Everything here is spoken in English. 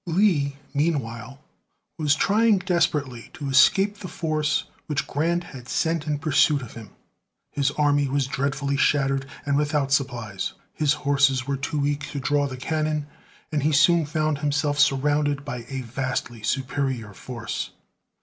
Lee, meanwhile, was trying desperately to escape the force which Grant had sent in pursuit of him. His army was dreadfully shattered and without supplies; his horses were too weak to draw the cannon; and he soon found himself surrounded by a vastly superior force.